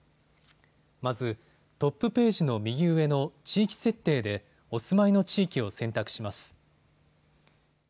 まず、トップページの右上の地域設定でお住まいの地域を選択します。